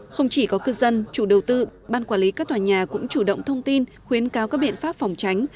không chỉ có cư dân chủ đầu tư ban quản lý các tòa nhà cũng chủ động thông tin khuyến cáo các biện pháp phòng tránh